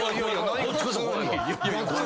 こっちこそ怖いわ。